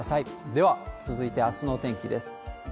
では、続いてあすのお天気です。